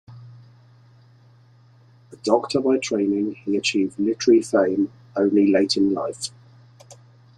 A doctor by training, he achieved literary fame only late in life.